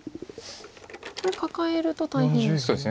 これカカえると大変ですか。